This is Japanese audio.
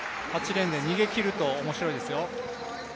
８レーンで逃げきると面白いですよ。